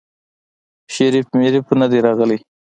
شريف مريف ندی راغلی.